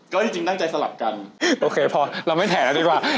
ก็จริงตั้งใจสลับกันโอเคพอเราไม่แผ่แล้วดีกว่า